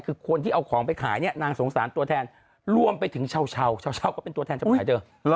คนที่เอาของไปขายนางสงสารตัวแทนร่วมไปถึงเช้าเช้าก็เป็นตัวแทนชตีภาษีเธอ